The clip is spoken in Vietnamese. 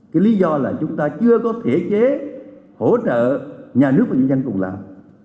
cái lý do là chúng ta chưa có thể chế hỗ trợ nhà nước và nhân dân cùng làm